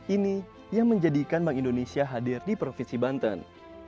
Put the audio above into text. ini yang menjadikan bank indonesia hadir di provinsi banten